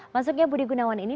masuknya budi gunawan ini